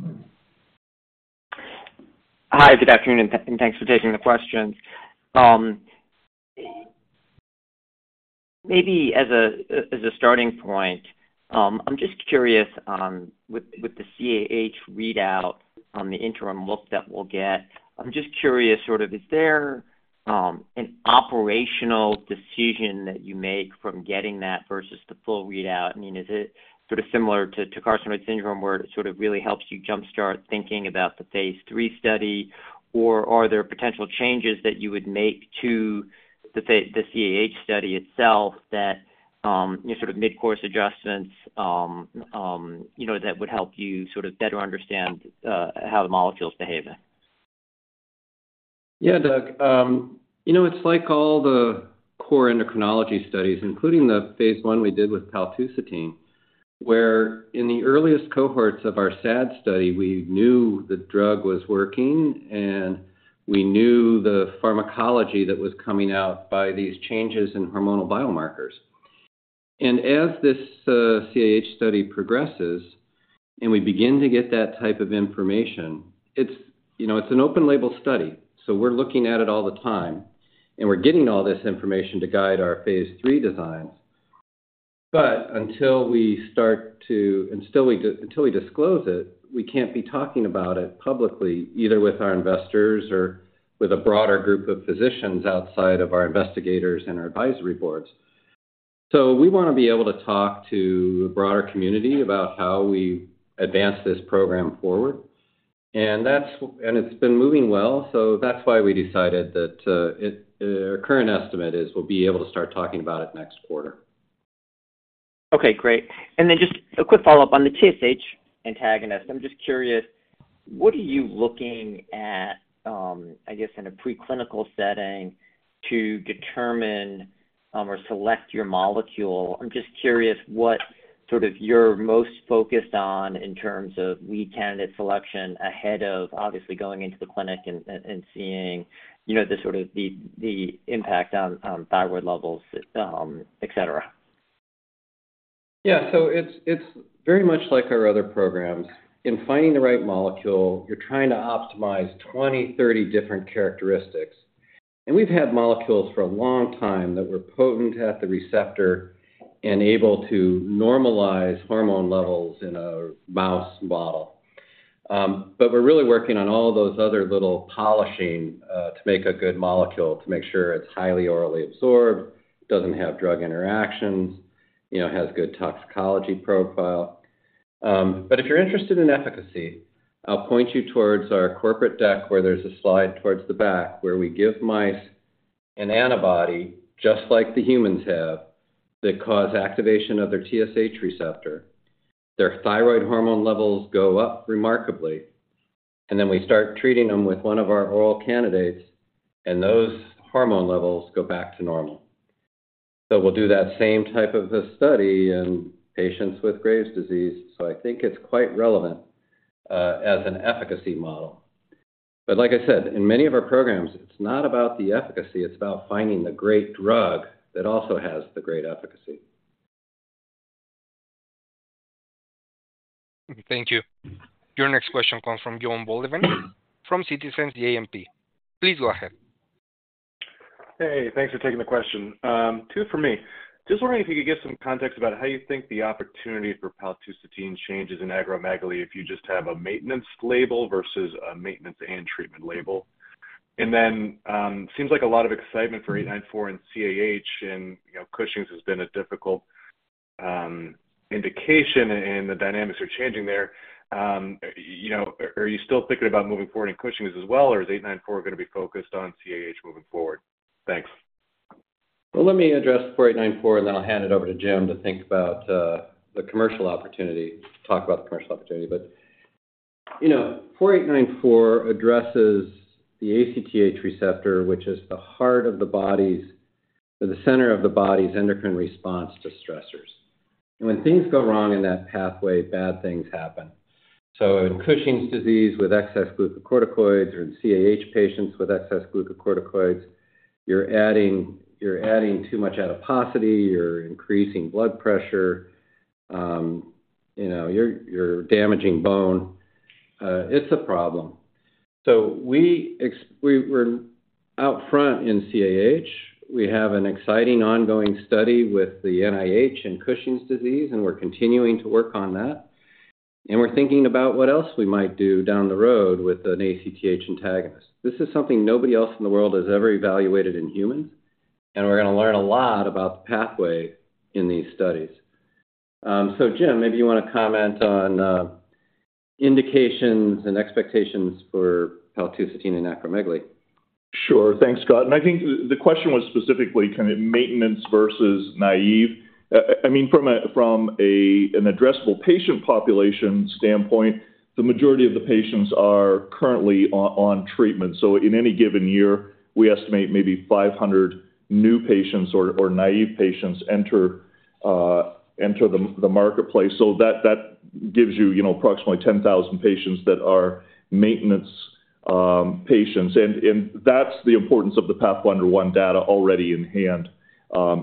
M: Hi. Good afternoon, and thanks for taking the questions. Maybe as a starting point, I'm just curious with the CAH readout on the interim look that we'll get. I'm just curious sort of is there an operational decision that you make from getting that versus the full readout? I mean, is it sort of similar to carcinoid syndrome where it sort of really helps you jump-start thinking about the phase 3 study, or are there potential changes that you would make to the CAH study itself that sort of mid-course adjustments that would help you sort of better understand how the molecules behave in?
C: Yeah, Doug. It's like all the core endocrinology studies, including the phase 1 we did with paltusotine, where in the earliest cohorts of our SAD study, we knew the drug was working, and we knew the pharmacology that was coming out by these changes in hormonal biomarkers. As this CAH study progresses and we begin to get that type of information, it's an open-label study. We're looking at it all the time, and we're getting all this information to guide our phase 3 designs. But until we disclose it, we can't be talking about it publicly, either with our investors or with a broader group of physicians outside of our investigators and our advisory boards. We want to be able to talk to the broader community about how we advance this program forward. It's been moving well, so that's why we decided that our current estimate is we'll be able to start talking about it next quarter.
M: Okay. Great. Then just a quick follow-up on the TSH antagonist. I'm just curious, what are you looking at, I guess, in a preclinical setting to determine or select your molecule? I'm just curious what sort of you're most focused on in terms of lead candidate selection ahead of obviously going into the clinic and seeing the sort of the impact on thyroid levels, etc.?
C: Yeah. So it's very much like our other programs. In finding the right molecule, you're trying to optimize 20, 30 different characteristics. And we've had molecules for a long time that were potent at the receptor and able to normalize hormone levels in a mouse model. But we're really working on all those other little polishing to make a good molecule, to make sure it's highly orally absorbed, doesn't have drug interactions, has good toxicology profile. But if you're interested in efficacy, I'll point you towards our corporate deck where there's a slide towards the back where we give mice an antibody just like the humans have that cause activation of their TSH receptor. Their thyroid hormone levels go up remarkably, and then we start treating them with one of our oral candidates, and those hormone levels go back to normal. So we'll do that same type of the study in patients with Graves' disease. So I think it's quite relevant as an efficacy model. But like I said, in many of our programs, it's not about the efficacy. It's about finding the great drug that also has the great efficacy.
A: Thank you. Your next question comes from Jonathan Wolleben from Citizens JMP. Please go ahead.
N: Hey. Thanks for taking the question. Two for me. Just wondering if you could give some context about how you think the opportunity for paltusotine changes in acromegaly if you just have a maintenance label versus a maintenance and treatment label. And then it seems like a lot of excitement for 04894 and CAH, and Cushing's has been a difficult indication, and the dynamics are changing there. Are you still thinking about moving forward in Cushing's as well, or is 04894 going to be focused on CAH moving forward? Thanks.
C: Well, let me address 04894, and then I'll hand it over to Jim to think about the commercial opportunity to talk about the commercial opportunity. But 04894 addresses the ACTH receptor, which is the heart of the body's or the center of the body's endocrine response to stressors. And when things go wrong in that pathway, bad things happen. So in Cushing's disease with excess glucocorticoids or in CAH patients with excess glucocorticoids, you're adding too much adiposity. You're increasing blood pressure. You're damaging bone. It's a problem. So we're out front in CAH. We have an exciting ongoing study with the NIH in Cushing's disease, and we're continuing to work on that. We're thinking about what else we might do down the road with an ACTH antagonist. This is something nobody else in the world has ever evaluated in humans, and we're going to learn a lot about the pathway in these studies. So Jim, maybe you want to comment on indications and expectations for paltusotine in acromegaly.
J: Sure. Thanks, Scott. I think the question was specifically, can it be maintenance versus naive? I mean, from an addressable patient population standpoint, the majority of the patients are currently on treatment. So in any given year, we estimate maybe 500 new patients or naive patients enter the marketplace. So that gives you approximately 10,000 patients that are maintenance patients. That's the importance of the PATHFNDR-1 data already in hand,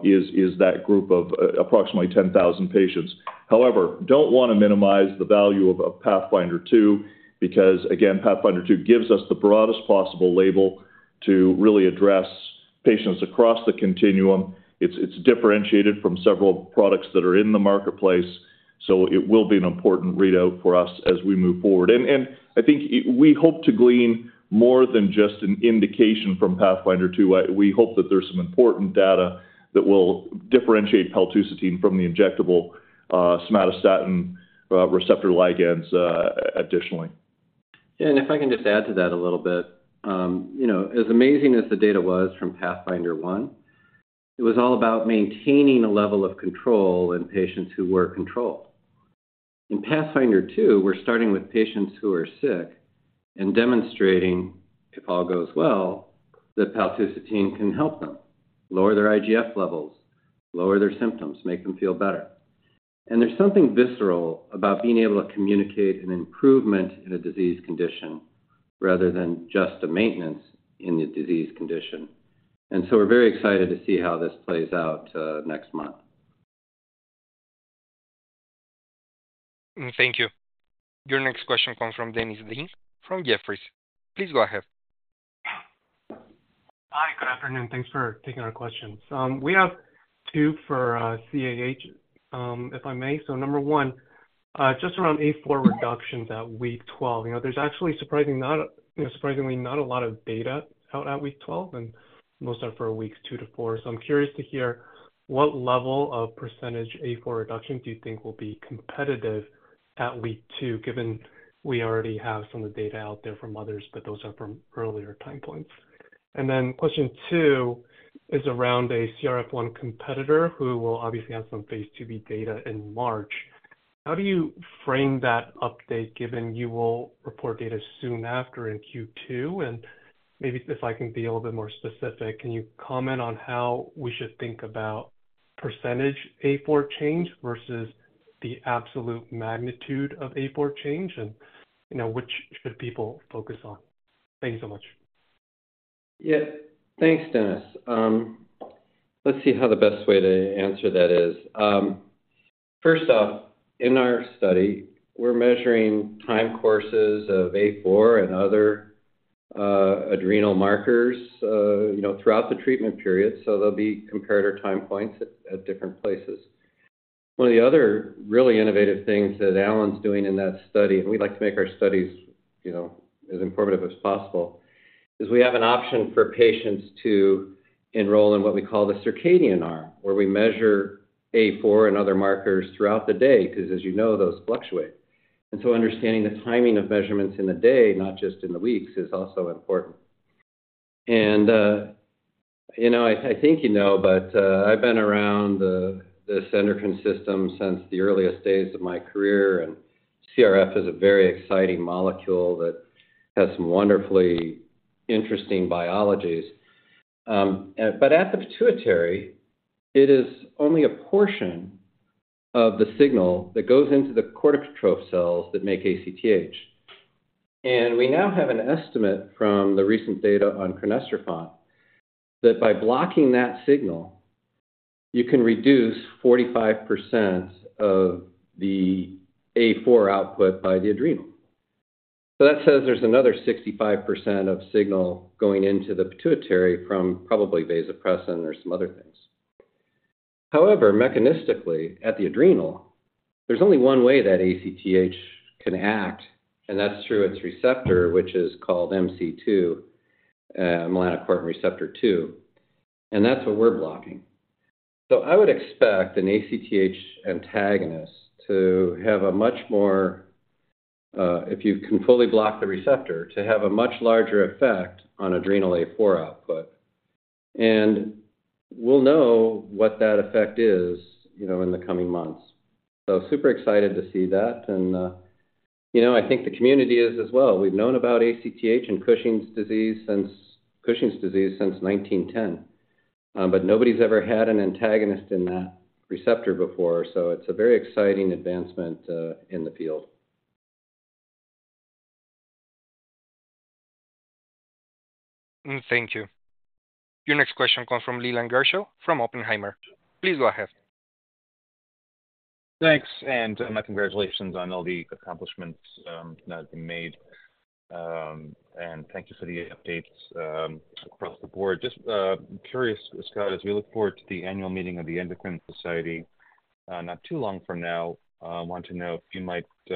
J: is that group of approximately 10,000 patients. However, don't want to minimize the value of PATHFNDR-2 because, again, PATHFNDR-2 gives us the broadest possible label to really address patients across the continuum. It's differentiated from several products that are in the marketplace, so it will be an important readout for us as we move forward. I think we hope to glean more than just an indication from PATHFNDR-2. We hope that there's some important data that will differentiate paltusotine from the injectable somatostatin receptor ligands additionally.
D: Yeah. If I can just add to that a little bit, as amazing as the data was from PATHFNDR-1, it was all about maintaining a level of control in patients who were controlled. In PATHFNDR-2, we're starting with patients who are sick and demonstrating, if all goes well, that paltusotine can help them, lower their IGF-1 levels, lower their symptoms, make them feel better. There's something visceral about being able to communicate an improvement in a disease condition rather than just a maintenance in the disease condition. So we're very excited to see how this plays out next month.
A: Thank you. Your next question comes from Dennis Ding from Jefferies. Please go ahead.
O: Hi. Good afternoon. Thanks for taking our questions. We have two for CAH, if I may. So number one, just around A4 reductions at week 12, there's actually surprisingly not a lot of data out at week 12, and most are for weeks 2-4. So I'm curious to hear, what level of percentage A4 reduction do you think will be competitive at week 2, given we already have some of the data out there from others, but those are from earlier time points? And then question two is around a CRF1 competitor who will obviously have some phase 2b data in March. How do you frame that update, given you will report data soon after in Q2? And maybe if I can be a little bit more specific, can you comment on how we should think about percentage A4 change versus the absolute magnitude of A4 change, and which should people focus on? Thanks so much.
D: Yeah. Thanks, Dennis. Let's see how the best way to answer that is. First off, in our study, we're measuring time courses of A4 and other adrenal markers throughout the treatment period, so there'll be comparator time points at different places. One of the other really innovative things that Alan's doing in that study - and we like to make our studies as informative as possible - is we have an option for patients to enroll in what we call the circadian arm, where we measure A4 and other markers throughout the day because, as you know, those fluctuate. And so understanding the timing of measurements in the day, not just in the weeks, is also important. And I think you know, but I've been around the endocrine system since the earliest days of my career, and CRF is a very exciting molecule that has some wonderfully interesting biologies. But at the pituitary, it is only a portion of the signal that goes into the corticotroph cells that make ACTH. And we now have an estimate from the recent data on crinecerfont that by blocking that signal, you can reduce 45% of the A4 output by the adrenal. So that says there's another 65% of signal going into the pituitary from probably vasopressin or some other things. However, mechanistically, at the adrenal, there's only one way that ACTH can act, and that's through its receptor, which is called MC2R, melanocortin receptor 2. And that's what we're blocking. So I would expect an ACTH antagonist to have a much more if you can fully block the receptor, to have a much larger effect on adrenal A4 output. And we'll know what that effect is in the coming months. So super excited to see that. I think the community is as well. We've known about ACTH and Cushing's disease since 1910, but nobody's ever had an antagonist in that receptor before. So it's a very exciting advancement in the field.
A: Thank you. Your next question comes from Leland Gershell from Oppenheimer. Please go ahead.
P: Thanks. My congratulations on all the accomplishments that have been made. And thank you for the updates across the board. Just curious, Scott, as we look forward to the annual meeting of the Endocrine Society not too long from now, I want to know if you might be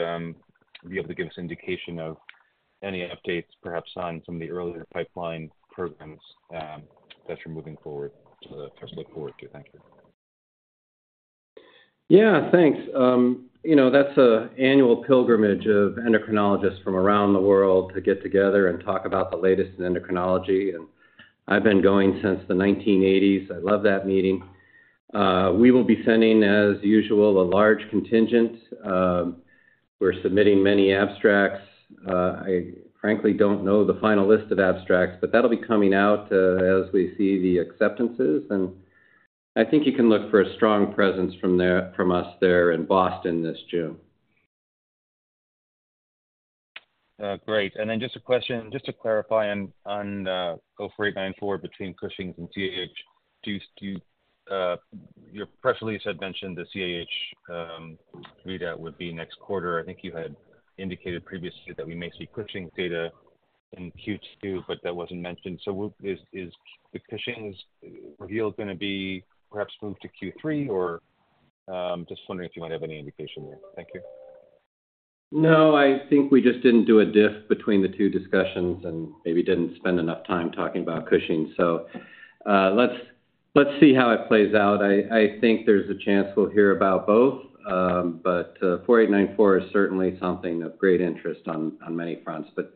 P: able to give us an indication of any updates, perhaps on some of the earlier pipeline programs that you're moving forward to that first look forward to. Thank you.
C: Yeah. Thanks. That's an annual pilgrimage of endocrinologists from around the world to get together and talk about the latest in endocrinology. And I've been going since the 1980s. I love that meeting. We will be sending, as usual, a large contingent. We're submitting many abstracts. I frankly don't know the final list of abstracts, but that'll be coming out as we see the acceptances. And I think you can look for a strong presence from us there in Boston this June.
P: Great. And then just a question, just to clarify on the 04894 between Cushing's and CAH, your press release had mentioned the CAH readout would be next quarter. I think you had indicated previously that we may see Cushing's data in Q2, but that wasn't mentioned. So is the Cushing's reveal going to be perhaps moved to Q3, or just wondering if you might have any indication there? Thank you.
C: No. I think we just didn't do a diff between the two discussions and maybe didn't spend enough time talking about Cushing's. So let's see how it plays out. I think there's a chance we'll hear about both, but 4894 is certainly something of great interest on many fronts. But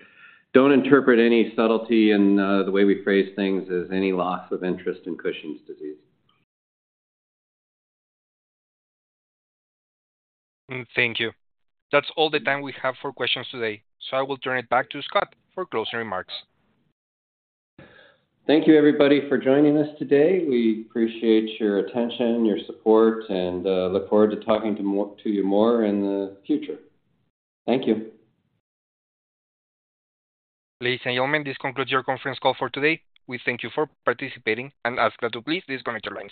C: don't interpret any subtlety in the way we phrase things as any loss of interest in Cushing's disease.
A: Thank you. That's all the time we have for questions today. So I will turn it back to Scott for closing remarks.
C: Thank you, everybody, for joining us today. We appreciate your attention, your support, and look forward to talking to you more in the future. Thank you.
A: Please, gentlemen, this concludes your conference call for today. We thank you for participating. And ask that you please disconnect your lines